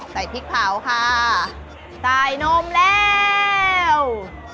พริกเผาค่ะใส่นมแล้ว